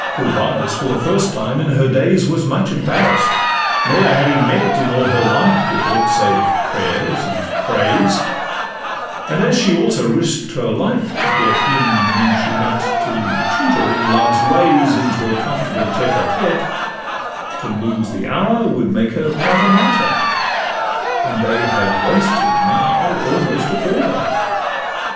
Gulbeyaz, for the first time in her days, Was much embarrass'd, never having met In all her life with aught save prayers and praise; And as she also risk'd her life to get Him whom she meant to tutor in love's ways Into a comfortable tete a tete, To lose the hour would make her quite a martyr, And they had wasted now almost a quarter.